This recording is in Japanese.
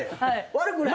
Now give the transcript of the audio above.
悪くない。